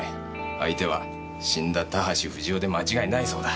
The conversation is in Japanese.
相手は死んだ田橋不二夫で間違いないそうだ。